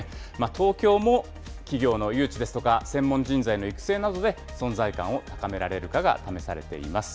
東京も企業の誘致ですとか、専門人材の育成などで存在感を高められるかが試されています。